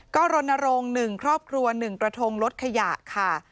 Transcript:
ก็รณรงค์๑ครอบครัว๑กระทงลดขยะค่ะ